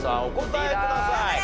お答えください。